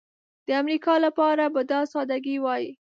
د امریکا لپاره به دا سادګي وای.